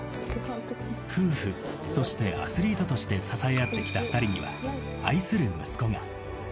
夫婦、そしてアスリートとして支え合ってきた２人には、愛する息子が。